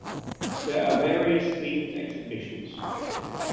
There are various themed exhibitions.